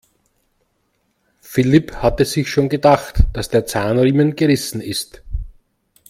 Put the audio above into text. Philipp hatte sich schon gedacht, dass der Zahnriemen gerissen ist.